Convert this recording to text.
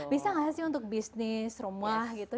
bisa nggak sih untuk bisnis rumah gitu